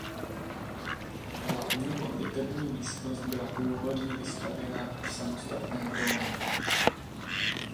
Hlavní modlitební místnost byla původně vystavěna v samostatném dómu.